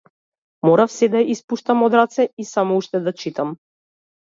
Морав сѐ да испуштам од раце и само уште да читам.